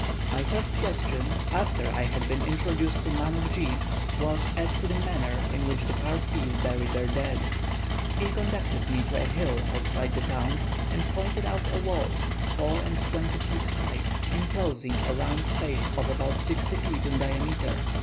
My first question, after I had been introduced to Manuckjee, was as to the manner in which the Parsees bury their dead. He conducted me to a hill outside the town, and pointed out a wall, four and twenty feet high, enclosing a round space of about sixty feet in diameter.